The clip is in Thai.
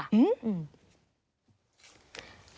หื้อ